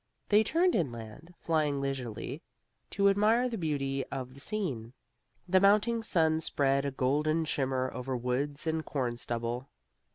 They turned inland, flying leisurely to admire the beauty of the scene. The mounting sun spread a golden shimmer over woods and corn stubble.